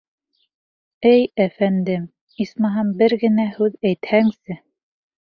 — Эй әфәндем, исмаһам, бер генә һүҙ әйтһәңсе!